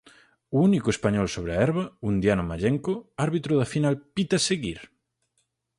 O único español sobre a herba, Undiano Mallenco, árbitro da final, pita seguir.